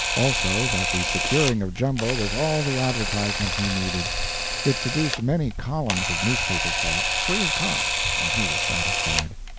Also, that the securing of Jumbo was all the advertisement he needed. It produced many columns of newspaper talk, free of cost, and he was satisfied.